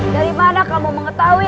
dari mana kamu mengetahui